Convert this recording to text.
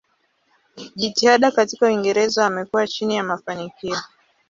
Jitihada katika Uingereza wamekuwa chini ya mafanikio.